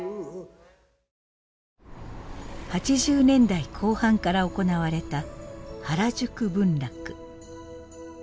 ８０年代後半から行われた原宿文楽。